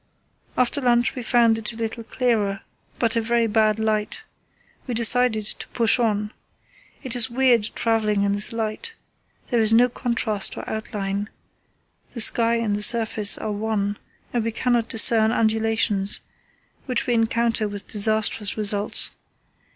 After lunch we found it a little clearer, but a very bad light. We decided to push on. It is weird travelling in this light. There is no contrast or outline; the sky and the surface are one, and we cannot discern undulations, which we encounter with disastrous results.